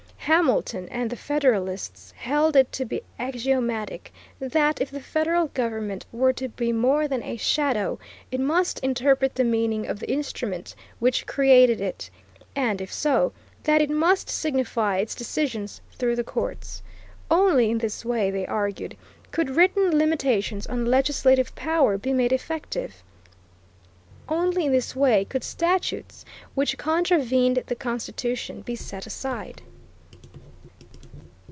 Hamilton and the Federalists held it to be axiomatic that, if the federal government were to be more than a shadow, it must interpret the meaning of the instrument which created it, and, if so, that it must signify its decisions through the courts. Only in this way, they argued, could written limitations on legislative power be made effective. Only in this way could statutes which contravened the Constitution be set aside.